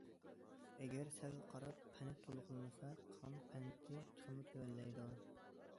ئەگەر سەل قاراپ قەنت تولۇقلىمىسا، قان قەنتى تېخىمۇ تۆۋەنلەيدۇ.